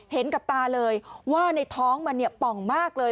เห็นกับตาเลยว่าในท้องมันป่องมากเลย